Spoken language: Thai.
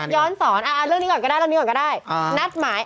ขับรถย้อนสอนเรื่องนี้ก่อนก็ได้นัดหมาย